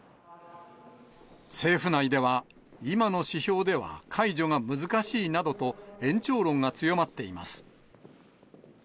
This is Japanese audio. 政府内では、今の指標では解除は難しいなどと、延長論が強まっています。